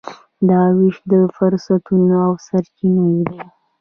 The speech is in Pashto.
دا وېش د فرصتونو او سرچینو دی.